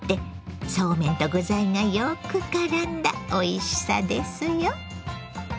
そうめんと具材がよくからんだおいしさですよ。